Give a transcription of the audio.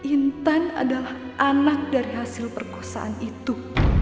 intan adalah anak dari hasil perkosaan itu